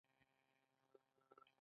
د تخار په درقد کې د قیمتي ډبرو نښې دي.